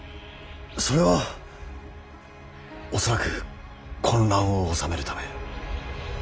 それは恐らく混乱を収めるため。